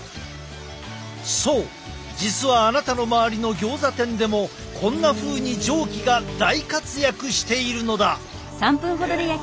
そう実はあなたの周りのギョーザ店でもこんなふうに蒸気が大活躍しているのだ！